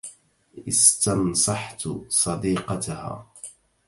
استنصحت صديقتها.